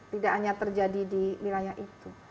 tidak hanya terjadi di wilayah itu